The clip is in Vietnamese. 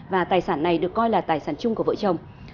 và tài sản này được coi là tài sản chung của vợ chồng